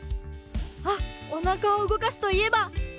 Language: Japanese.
あっおなかをうごかすといえば！